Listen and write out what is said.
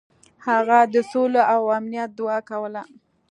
هغه د سولې او امنیت دعا کوله.